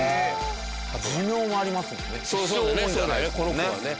寿命もありますもんね。